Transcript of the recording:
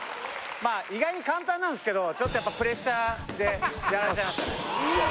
まあ意外に簡単なんすけどちょっとやっぱプレッシャーでやられましたね